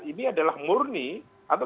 ini adalah murni atau